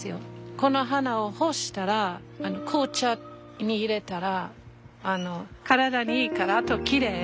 この花を干したら紅茶に入れたら体にいいからあときれい。